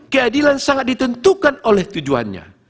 keadilan sangat ditentukan oleh tujuannya